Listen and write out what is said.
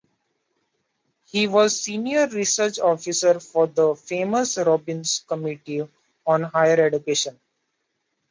He was Senior Research Officer for the famous Robbins Committee on Higher Education.